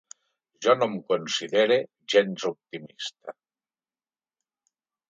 Jo no em considere gens optimista.